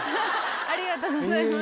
ありがとうございます。